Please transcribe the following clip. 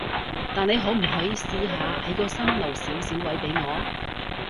但你可唔可以試下喺個心留少少位畀我？